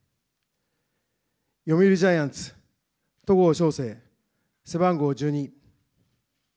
読売ジャイアンツ、戸郷翔征、背番号１２。